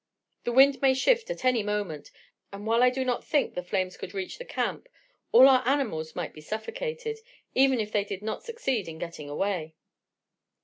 The wind may shift at any moment, and while I do not think the flames could reach the camp, all our animals might be suffocated, even if they did not succeed in getting away."